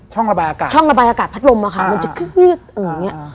ระบายอากาศช่องระบายอากาศพัดลมอะค่ะมันจะคืดอะไรอย่างนี้